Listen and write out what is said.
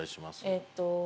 えっと